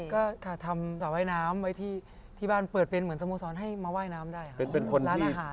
ก็ค่ะทำถ่ายไหว้น้ำไว้ที่บ้านเปิดเป็นเหมือนสมศลให้มาไหว้น้ำได้เป็นพี่ร้านอนอาหาร